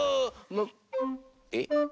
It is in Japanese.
えっ？